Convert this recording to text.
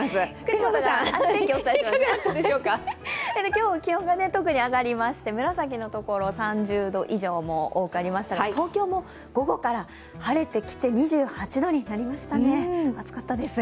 今日気温が特に上がりまして、紫の所３０度以上も多くありましたが、東京も午後から晴れてきて２８度になりましたね、暑かったです。